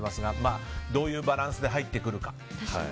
どういうバランスで入ってくるか。